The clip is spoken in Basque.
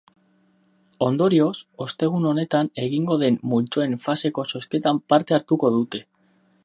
Ondorioz, ostegun honetan egingo den multzoen faseko zozketan parte hartuko dute.